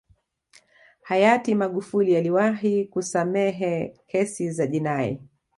hayati magufuli aliwahi kusamehe kesi za jinai